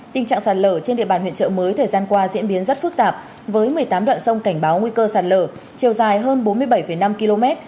tình trạng sạt lở trên địa bàn huyện trợ mới thời gian qua diễn biến rất phức tạp với một mươi tám đoạn sông cảnh báo nguy cơ sạt lở chiều dài hơn bốn mươi bảy năm km